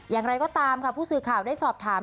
อย่างไรก็ตามค่ะผู้สื่อข่าวได้สอบถาม